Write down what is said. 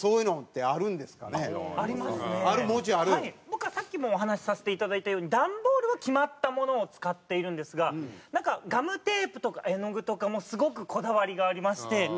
僕はさっきもお話しさせていただいたように段ボールは決まったものを使っているんですがなんかガムテープとか絵の具とかもすごくこだわりがありまして。